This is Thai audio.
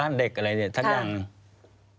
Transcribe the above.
ควิทยาลัยเชียร์สวัสดีครับ